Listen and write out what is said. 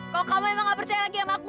kalau kamu emang gak percaya lagi sama aku